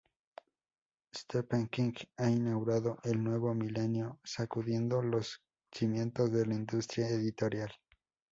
Stephen King ha inaugurado el nuevo milenio sacudiendo los cimientos de la industria editorial.